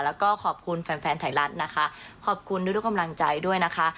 แล้วก็ขอบคุณแฟนแฟนไทยรัฐนะคะขอบคุณด้วยทุกกำลังใจด้วยนะคะ